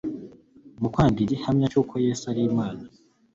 Mu kwanga igihamya cy'uko Yesu ari Imana,